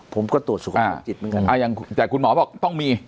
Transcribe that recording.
ผมก็ตรวจสุขภาพจิตเหมือนกันแต่คุณหมอบอกต้องมี